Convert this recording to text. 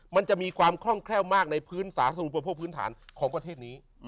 มันจะมีความคล่องแคล่วมากในพื้นสาธุประโภคพื้นฐานของประเทศนี้